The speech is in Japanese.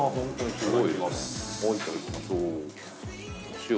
すごい！